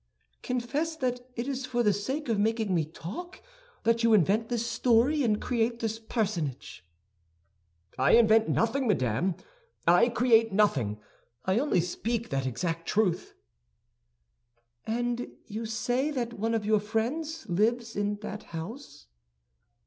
"Confess that it is for the sake of making me talk that you invent this story and create this personage." "I invent nothing, madame; I create nothing. I only speak that exact truth." "And you say that one of your friends lives in that house?"